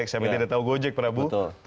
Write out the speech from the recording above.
kami tidak tahu gojek pak abu